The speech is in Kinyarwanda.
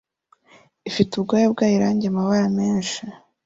ifite ubwoya bwayo irangi amabara menshi